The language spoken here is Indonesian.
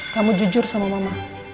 kamu jujur sama mama